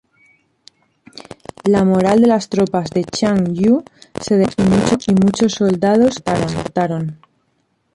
La moral de las tropas de Xiang Yu se desplomó y muchos soldados desertaron.